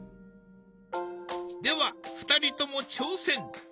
では２人とも挑戦。